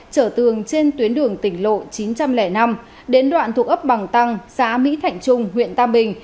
trở tường trên tuyến đường tỉnh lộ chín trăm linh năm đến đoạn thuộc ấp bằng tăng xã mỹ thạnh trung huyện tam bình